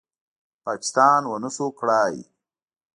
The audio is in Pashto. پاکستان ونشو کړې